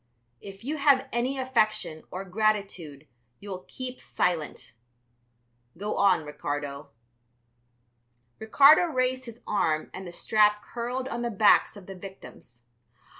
If you have any affection or gratitude you will keep silent. Go on, Ricardo." Ricardo raised his arm and the strap curled on the backs of the victims.